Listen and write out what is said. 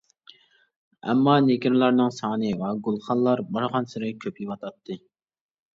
ئەمما نېگىرلارنىڭ سانى ۋە گۈلخانلار بارغانسېرى كۆپىيىۋاتاتتى.